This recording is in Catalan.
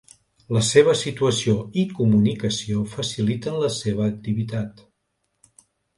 La seva situació i comunicació faciliten la seva activitat.